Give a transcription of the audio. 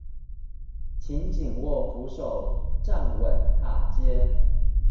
請緊握扶手站穩踏階